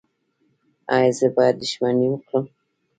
ایا زه باید دښمني وکړم؟